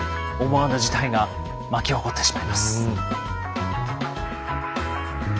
思わぬ事態が巻き起こってしまいます。